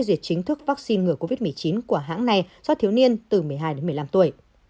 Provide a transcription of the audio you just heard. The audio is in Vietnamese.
diệt chính thức vaccine ngừa covid một mươi chín của hãng này cho thiếu niên từ một mươi hai đến một mươi năm tuổi